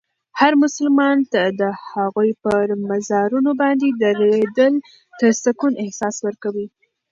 هر مسلمان ته د هغوی په مزارونو باندې درېدل د سکون احساس ورکوي.